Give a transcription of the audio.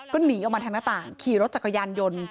ก็หนีออกมาทางหน้าต่างขี่รถจักรยานยนต์